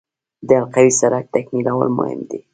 د حلقوي سړک تکمیلول مهم دي